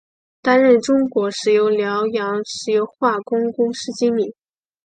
担任中国石油辽阳石油化工公司经理。